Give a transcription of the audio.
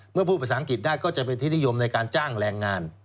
พูดภาษาอังกฤษได้ก็จะเป็นที่นิยมในการจ้างแรงงาน